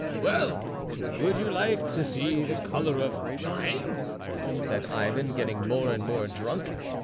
"Well, would you like to see the colour of mine?" said Ivan, getting more and more drunk.